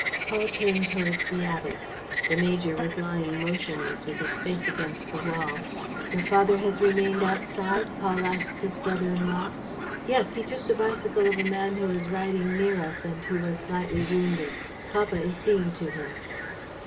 Paul turned towards the attic. The major was lying motionless, with his face against the wall. "Your father has remained outside?" Paul asked his brother in law. "Yes, he took the bicycle of a man who was riding near us and who was slightly wounded. Papa is seeing to him."